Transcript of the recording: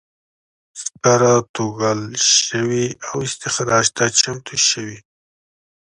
سکاره توږل شوي او استخراج ته چمتو شوي دي.